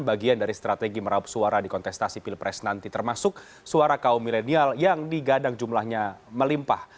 bagian dari strategi meraup suara di kontestasi pilpres nanti termasuk suara kaum milenial yang digadang jumlahnya melimpah